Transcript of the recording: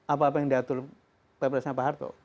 apa apa yang diatur oleh persnya pak harto